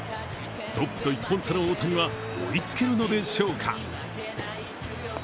トップと１本差の大谷は追いつけるのでしょうか？